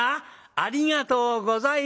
ありがとうございます。